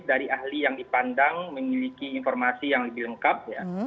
dari ahli yang dipandang memiliki informasi yang lebih lengkap